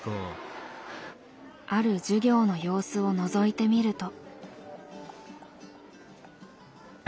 ある授業の様子をのぞいてみると。